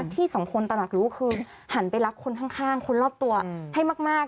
ที่สองคนตระหนักรู้ก็คือหันไปรักคนข้างคนรอบตัวให้มาก